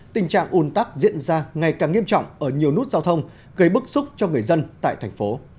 tình trạng ủn tắc diễn ra ngày càng nghiêm trọng ở nhiều nút giao thông gây bức xúc cho người dân tại thành phố